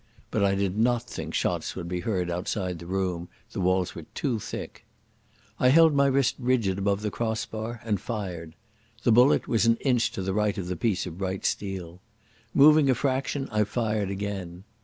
But I did not think shots would be heard outside the room; the walls were too thick. I held my wrist rigid above the cross bar and fired. The bullet was an inch to the right of the piece of bright steel. Moving a fraction I fired again.